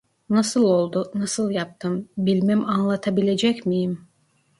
Nasıl oldu? Nasıl yaptım? Bilmem anlatabilecek miyim?